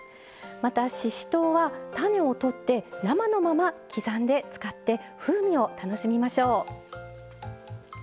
またししとうは種を取って生のまま刻んで使って風味を楽しみましょう。